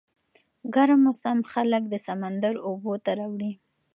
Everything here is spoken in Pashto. ګرم موسم خلک د سمندر اوبو ته راوړي.